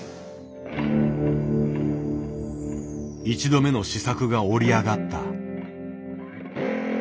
一度目の試作が織りあがった。